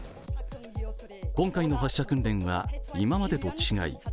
今回の発射訓練は今までと違い